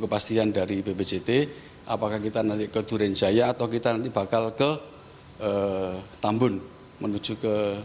kepastian dari bpjt apakah kita nanti ke durenjaya atau kita nanti bakal ke tambun menuju ke